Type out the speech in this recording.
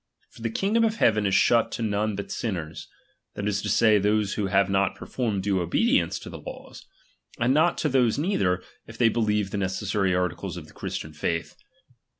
For the kingdom of heaven is shut to none but sinners, that is to say, those who have not performed due obedience to the laws ; and not to those neither, if they believe the necessary articles of the Christian faith.